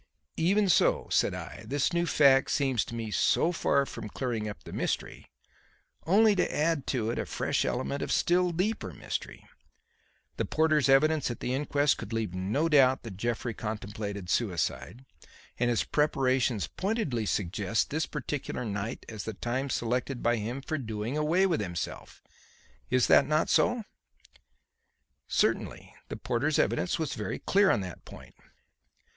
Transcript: "Even so," said I, "this new fact seems to me so far from clearing up the mystery, only to add to it a fresh element of still deeper mystery. The porter's evidence at the inquest could leave no doubt that Jeffrey contemplated suicide, and his preparations pointedly suggest this particular night as the time selected by him for doing away with himself. Is not that so?" "Certainly. The porter's evidence was very clear on that point."